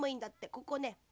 ここね。